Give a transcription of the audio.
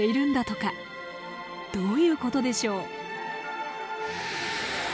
どういうことでしょう。